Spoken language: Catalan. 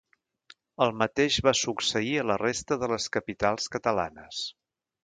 El mateix va succeir a la resta de les capitals catalanes.